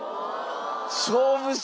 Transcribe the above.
勝負師！